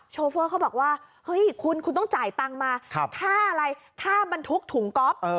โฟเขาบอกว่าเฮ้ยคุณคุณต้องจ่ายตังค์มาค่าอะไรค่าบรรทุกถุงก๊อฟ